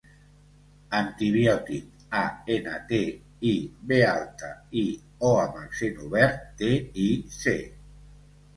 Antibiòtic: a, ena, te, i, be alta, i, o amb accent obert, te, i, ce.